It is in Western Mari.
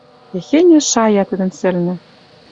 Техеньӹ шая тӹдӹн сӹлнӹ